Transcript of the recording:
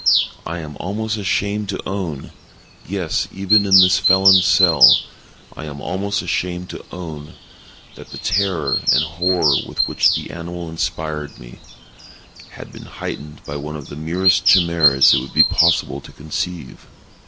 I am almost ashamed to own—yes, even in this felon's cell, I am almost ashamed to own—that the terror and horror with which the animal inspired me, had been heightened by one of the merest chimaeras it would be possible to conceive.